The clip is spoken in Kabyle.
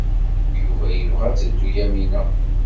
Yuba yella yebɣa ad teddu Yamina.